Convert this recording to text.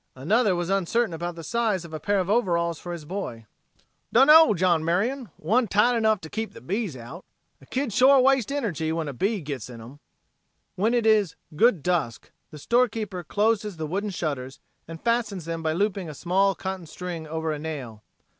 Another was uncertain about the size of a pair of overalls for his boy: "Dunknow, John Marion! One tight enough to keep the bees out a kid shore wastes energy when a bee gits in 'em." When it is "good dusk" the storekeeper closes the wooden shutters and fastens them by looping a small cotton string over a nail.